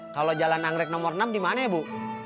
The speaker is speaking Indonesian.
kalau jalan angrek nomor enam dimana ya bu